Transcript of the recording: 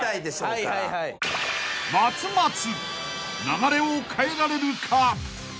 ［流れを変えられるか？］